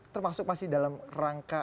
termasuk masih dalam rangka